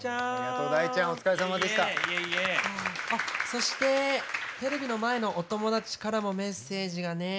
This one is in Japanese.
そしてテレビの前のお友達からもメッセージがね